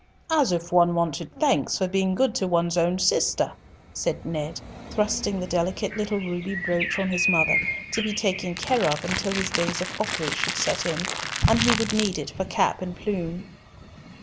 "As if one wanted thanks for being good to one's own sister," said Ned, thrusting the delicate little ruby brooch on his mother to be taken care of till his days of foppery should set in, and he would need it for cap and plume.